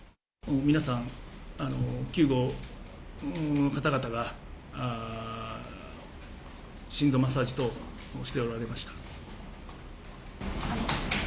皆さん、救護の方々が心臓マッサージ等しておられました。